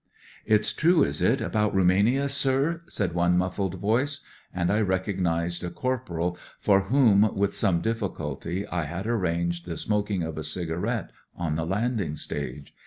" It's true, is it, about Rumania, sir ?" said one muffled voice. And I recog nised a corporal for whom, with some difficulty, I had arranged the smoking of a cigarette on the landing stage.